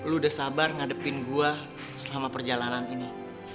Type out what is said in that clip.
lu udah sabar ngadepin gua selama perjalanan ini